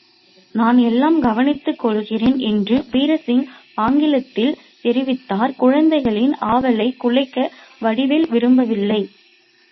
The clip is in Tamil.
நான் எல்லாம் கவனித்துக் கொள்கிறேன் என்று வீர்சிங் ஆங்கிலத்தில் தெரிவித்தார். குழந்தைகளின் ஆவலைக் குலைக்க வடிவேல் விரும்ப வில்லை.